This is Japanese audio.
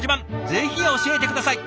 ぜひ教えて下さい。